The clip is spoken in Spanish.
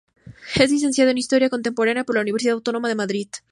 Es licenciado en Historia Contemporánea por la Universidad Autónoma de Madrid.